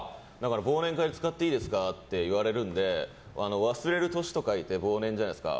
忘年会使っていいですかって言われるんで、忘れる年と書いて忘年じゃないですか。